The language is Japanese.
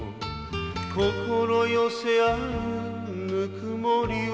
「心よせ合うぬくもりを」